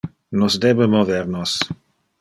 Nos debe mover nos.